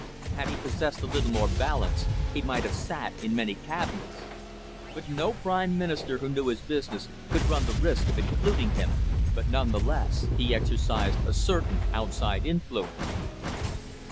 Had he possessed a little more balance, he might have sat in many cabinets. But no Prime Minister who knew his business could run the risk of including him. But, none the less, he exercised a certain outside influence.